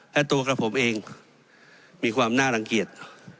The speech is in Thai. และตัวกับผมเองมีความน่ารังเกียจ